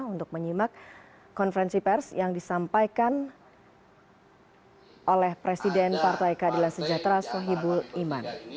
untuk menyimak konferensi pers yang disampaikan oleh presiden partai keadilan sejahtera sohibul iman